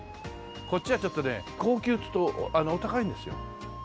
こっちはちょっとね高級ちょっとお高いんですよ。